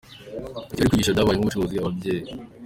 I Kigali kwigisha byabaye nk’ubucuruzi – Ababyeyi